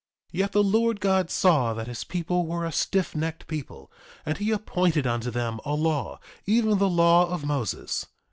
3:14 Yet the Lord God saw that his people were a stiffnecked people, and he appointed unto them a law, even the law of Moses.